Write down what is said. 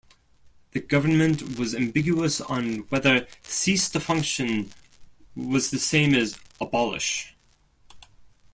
The government was ambiguous on whether "cease to function" was the same as "abolish".